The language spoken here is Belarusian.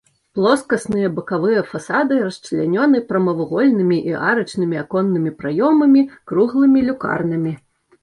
Плоскасныя бакавыя фасады расчлянёны прамавугольнымі і арачнымі аконнымі праёмамі, круглымі люкарнамі.